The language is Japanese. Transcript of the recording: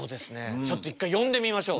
ちょっと一回呼んでみましょう。